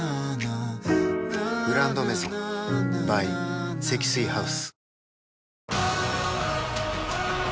「グランドメゾン」ｂｙ 積水ハウス